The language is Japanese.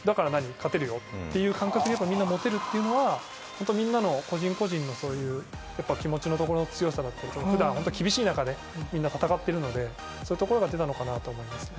勝てるよ？という感覚をみんなが持てるっていうのはみんなの個人個人の気持ちの強さだったり、普段厳しい中でみんな戦っているのでそういうところが出たのかなと思います。